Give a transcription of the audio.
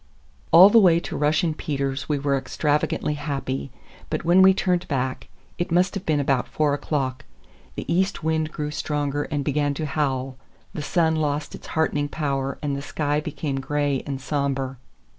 All the way to Russian Peter's we were extravagantly happy, but when we turned back,—it must have been about four o'clock,—the east wind grew stronger and began to howl; the sun lost its heartening power and the sky became gray and somber.